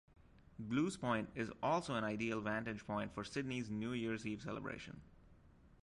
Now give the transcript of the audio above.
Blues Point is also an ideal vantage point for Sydney's New Years Eve celebration.